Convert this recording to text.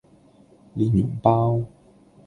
蓮蓉包